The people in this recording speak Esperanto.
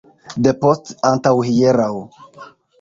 Depost antaŭhieraŭ.